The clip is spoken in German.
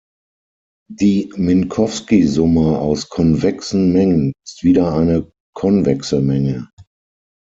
Die Minkowski-Summe aus konvexen Mengen ist wieder eine konvexe Menge.